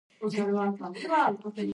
Эзе дә булмасын!